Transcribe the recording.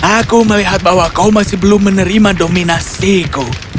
aku melihat bahwa kau masih belum menerima dominasiku